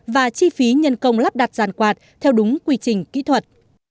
và chi phí nhân công lắp đặt giàn quạt theo đúng quy trình kỹ thuật